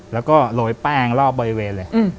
แล้วก็โรยแป้งรอบบริเวณเลย